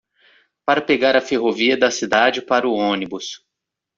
Para pegar a ferrovia da cidade para o ônibus